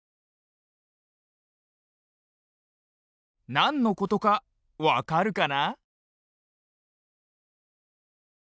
なんのことかわかるかな？